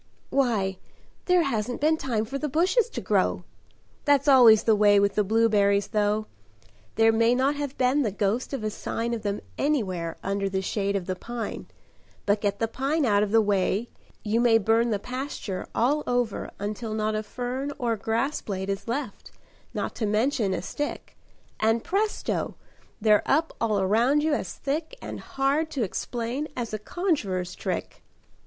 "Why, there hasn't been time for the bushes to grow. That's always the way with the blueberries, though: There may not have been the ghost of a sign Of them anywhere under the shade of the pine, But get the pine out of the way, you may burn The pasture all over until not a fern Or grass blade is left, not to mention a stick, And presto, they're up all around you as thick And hard to explain as a conjuror's trick."